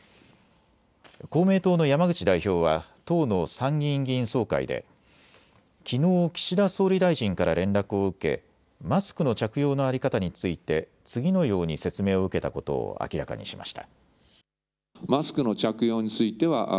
公明党の山口代表は党の参議院議員総会できのう、岸田総理大臣から連絡を受けマスクの着用の在り方について次のように説明を受けたことを明らかにしました。